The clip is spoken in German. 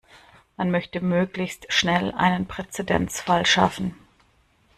Man möchte möglichst schnell einen Präzedenzfall schaffen.